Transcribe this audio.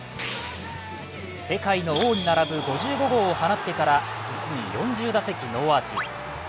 世界の王に並ぶ５５号を放ってから実に４０打席ノーアーチ。